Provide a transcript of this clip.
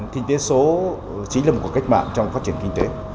kinh tế số chính là một cuộc cách mạng trong phát triển kinh tế